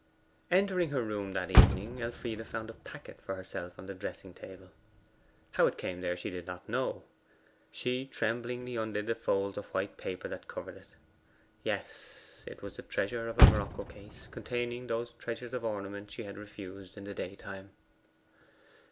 Entering her room that evening Elfride found a packet for herself on the dressing table. How it came there she did not know. She tremblingly undid the folds of white paper that covered it. Yes; it was the treasure of a morocco case, containing those treasures of ornament she had refused in the daytime.